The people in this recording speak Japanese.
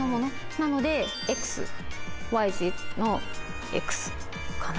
なのでＸＹＺのＸかなと。